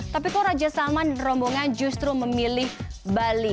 tapi kok raja salman dan rombongan justru memilih bali